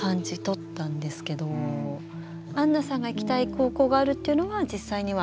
あんなさんが行きたい高校があるというのは実際には？